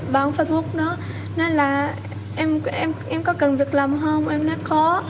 báo facebook nó là em có cần việc làm không em nói có